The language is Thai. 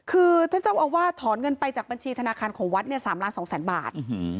คือท่านเจ้าอาวาสถอนเงินไปจากบัญชีธนาคารของวัดเนี่ย๓ล้าน๒แสนบาท